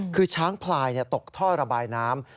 คือช้างพลายตกท่อระบายน้ำ